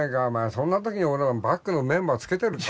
そんな時に俺はバックのメンバーつけてるか？